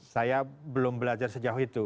saya belum belajar sejauh itu